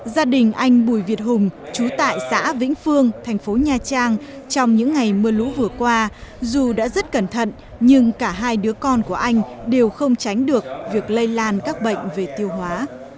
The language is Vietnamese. gia đình anh bùi việt hùng chú tại xã vĩnh phương thành phố nha trang trong những ngày mưa lũ vừa qua dù đã rất cẩn thận nhưng cả hai đứa con của anh đều không tránh được việc lây lan các bệnh về tiêu hóa